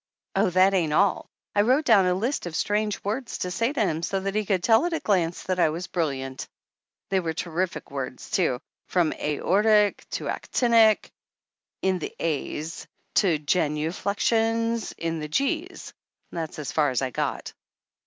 "Oh, that ain't all! I wrote down a list of strange words to say to him so that he could tell at a glance that I was brilliant. They were terrific words too, from aortic and actinic THE ANNALS OF ANN in the a's to genuflections in the g's. That's as far as I got."